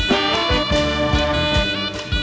กลับไปที่นี่